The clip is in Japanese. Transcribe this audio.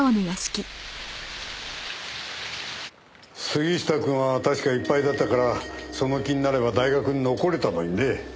杉下くんは確か一敗だったからその気になれば大学に残れたのにねぇ。